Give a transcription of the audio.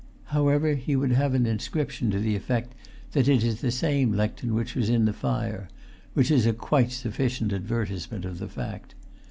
However, he would have an inscription to the effect that it is the same lectern which was in the fire, which is quite a sufficient advertisement of the fact.